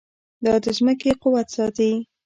دا د ځمکې قوت ساتي.